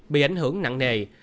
bị ảnh hưởng nặng nặng